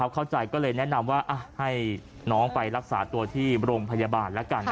เข้าใจก็เลยแนะนำว่าให้น้องไปรักษาตัวที่โรงพยาบาลแล้วกัน